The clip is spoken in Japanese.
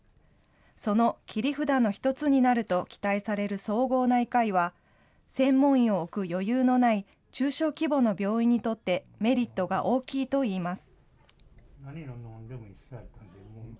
その切り札の１つになると期待される総合内科医は、専門医を置く余裕のない中小規模の病院にとって、メリットが大きいといいます。